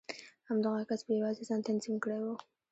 همدغه کس په يوازې ځان تنظيم کړی و.